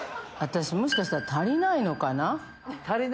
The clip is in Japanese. もしかしたら足りないのかな。